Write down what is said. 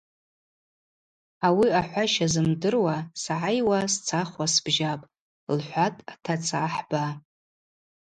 Ауи ахӏваща зымдыруа сгӏайуа-сцахуа сбжьапӏ, – лхӏватӏ атаца ахӏба.